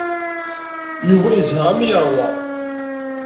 Yuba yezha armi ay yeṛwa.